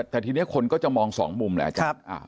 แต่ทีนี้คนก็จะมองสองมุมแหละอาจารย์